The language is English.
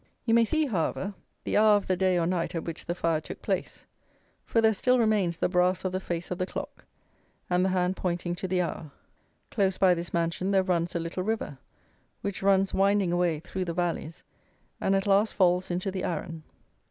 You may see, however, the hour of the day or night at which the fire took place; for there still remains the brass of the face of the clock, and the hand pointing to the hour. Close by this mansion there runs a little river which runs winding away through the valleys, and at last falls into the Arron.